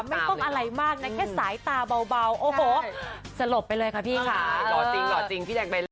ไม่ต้องอะไรมากนะแค่สายตาเบาโอ้โหสลบไปเลยค่ะพี่ค่ะ